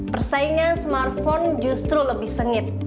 persaingan smartphone justru lebih sengit